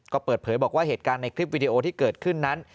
ก็เปิดเผยบอกว่าเหตุการณ์ในคลิปวิดีโอที่เกิดขึ้นนั้น